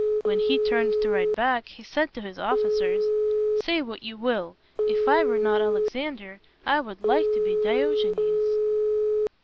When he turned to ride back, he said to his officers, "Say what you will; if I were not Alexander, I would like to be Diogenes."